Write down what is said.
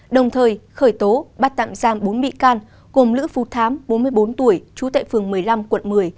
đồng thời khởi tố bắt tạm giam bốn bị can gồm lữ phú thám bốn mươi bốn tuổi trú tại phường một mươi năm quận một mươi